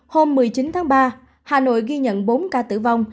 hôm một mươi chín tháng ba hà nội ghi nhận bốn ca tử vong